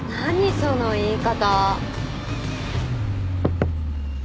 その言い方。